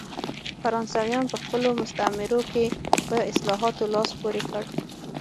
فرانسویانو په خپلو مستعمرو کې په اصلاحاتو لاس پورې کړ.